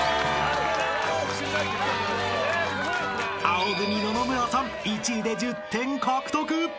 ［青組野々村さん１位で１０点獲得］